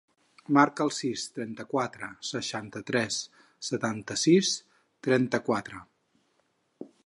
Marca el sis, trenta-quatre, seixanta-tres, setanta-sis, trenta-quatre.